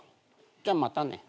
じゃまたね。